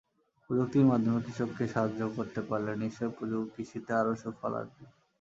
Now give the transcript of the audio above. প্রযুক্তির মাধ্যমে কৃষককে সাহায্য করতে পারলে নিশ্চয়ই কৃষিতে আরও সুফল আসবে।